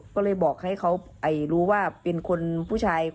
ก็เลยบอกให้เขารู้ว่าเป็นคนผู้ชาย